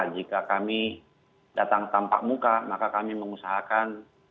jika kami datang tanpa muka maka kami mengusahakan